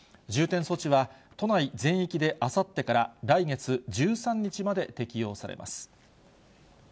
重点措置は、都内全域であさってから来月１３日まで適用されます。